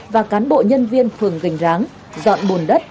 và cán bộ nhân viên phường gành ráng dọn bùn đất